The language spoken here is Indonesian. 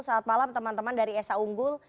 saat malam teman teman dari esa unggul